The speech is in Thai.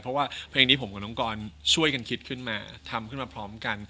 เพราะว่าเพลงนี้ผมกับน้องกรช่วยกันคิดขึ้นมาทำขึ้นมาพร้อมกัน